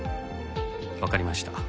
わかりました。